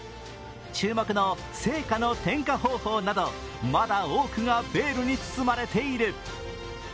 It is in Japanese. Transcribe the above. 注目の聖火の点火方法などまだ多くがベールに包まれている。